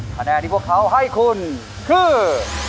คะแนนที่พวกเขาให้คุณคือ